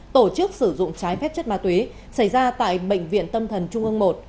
tổ chức sử dụng trái phép chất ma túy xảy ra tại bệnh viện tâm thần trung ương một